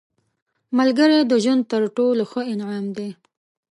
ملګری د ژوند تر ټولو ښه انعام دی